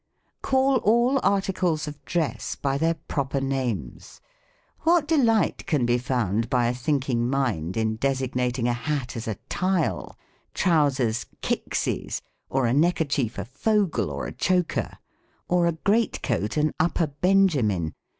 ?" Call all articles of dress by their proper names. What delight can be found by a thinking mind in de signating a hat as a tile, trousers, kickseys, a necker chief, a fogle, or a choker ; or a great coat, an upper Benjamin